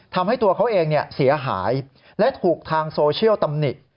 ทำให้ตัวเขาเองเสียหายและถูกทางโซเชียลตำหนิ